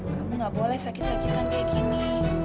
kamu gak boleh sakit sakitan kayak gini